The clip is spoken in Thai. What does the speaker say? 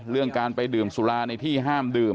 เรื่องการไปดื่มสุราในที่ห้ามดื่ม